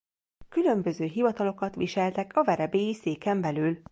Különböző hivatalokat viseltek a verebélyi széken belül.